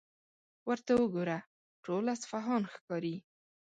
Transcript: ورته وګوره، ټول اصفهان ښکاري.